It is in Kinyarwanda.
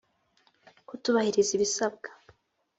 kutubahiriza ibisabwa